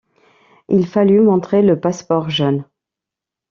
Il fallut montrer le passe-port jaune.